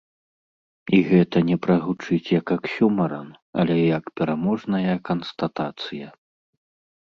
І гэта не прагучыць як аксюмаран, але як пераможная канстатацыя.